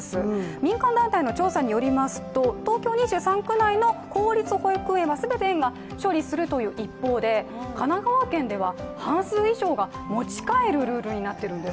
民間団体の調査によりますと、東京２３区内の公立保育園は全て園が処理するという一方で神奈川県では、半数以上が持ち帰るルールになっているんです。